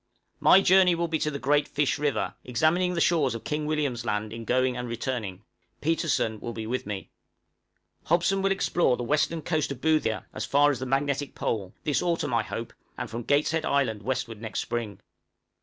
My journey will be to the Great Fish River, examining the shores of King William's Land in going and returning; Petersen will be with me. Hobson will explore the western coast of Boothia as far as the magnetic pole, this autumn, I hope, and from Gateshead Island westward next spring.